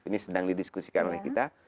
ini sedang didiskusikan oleh kita